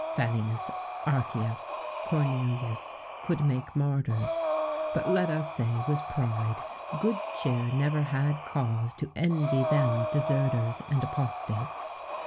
Fannius, Archius, Cornelius, could make martyrs; but let us say, with pride, good cheer never had cause to envy them deserters and apostates.